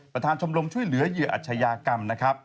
ประธานชมรมช่วยเหลือเหยื่ออัชยากรรม